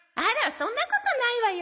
そんなことないわよ